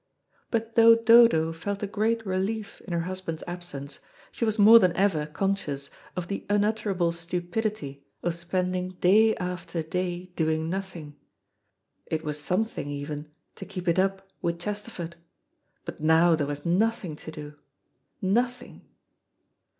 But though Dodo felt a great relief in her husband's absence, she was more than ever conscious of the unutterable stupidity of spending, day after day doing nothing. It was something even to keep it up with Chesterford, but now there was nothing to do nothing.